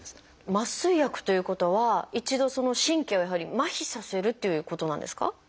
麻酔薬ということは一度神経をやはり麻痺させるっていうことなんですか？